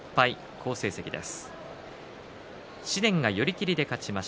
好成績です。